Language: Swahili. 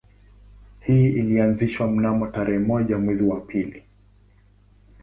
Hii ilianzishwa mnamo tarehe moja mwezi wa pili